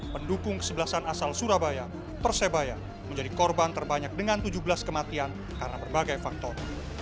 pendukung kesebelasan asal surabaya persebaya menjadi korban terbanyak dengan tujuh belas kematian karena berbagai faktor